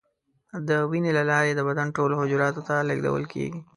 د وینې له لارې د بدن ټولو حجراتو ته لیږدول کېږي.